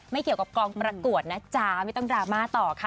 เกี่ยวกับกองประกวดนะจ๊ะไม่ต้องดราม่าต่อค่ะ